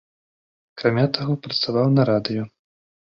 Акрамя таго, працаваў на радыё.